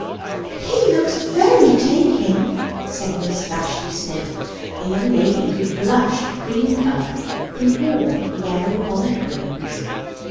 "He looks very taking!" said Miss Vashti Sniff, a young lady who blushed cream colour and wore yellow bonnet ribbons.